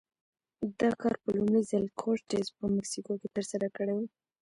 دا کار په لومړي ځل کورټز په مکسیکو کې ترسره کړی و.